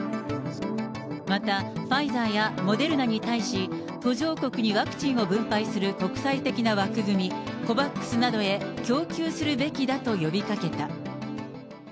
またファイザーやモデルナに対し、途上国にワクチンを分配する国際的な枠組み、ＣＯＶＡＸなどへ供給するべきだと呼びかけた。